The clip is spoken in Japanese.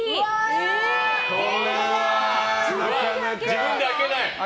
自分で開けない？